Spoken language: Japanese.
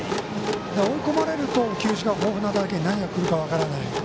追い込まれると球種が豊富なだけに何がくるか分からない。